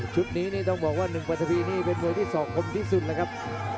ชุดนี้นี่ต้องบอกว่า๑ปัทวีนี่เป็นมวยที่สอกคมที่สุดเลยครับ